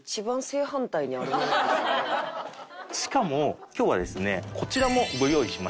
しかも今日はですねこちらもご用意しました。